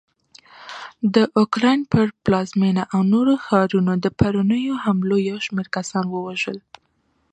د اوکراین پر پلازمېنه او نورو ښارونو د پرونیو حملو یوشمېر کسان ووژل